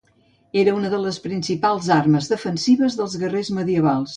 Era una de les principals armes defensives dels guerrers medievals.